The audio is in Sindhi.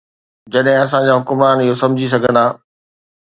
جڏهن اسان جا حڪمران اهو سمجهي سگهندا.